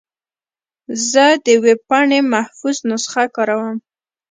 زه د ویب پاڼې محفوظ نسخه کاروم.